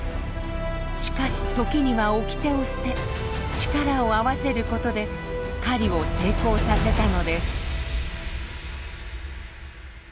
しかし時には掟を捨て力を合わせることで狩りを成功させたのです。